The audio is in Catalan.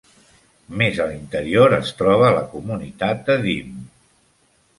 Més a l'interior es troba la comunitat de Dime.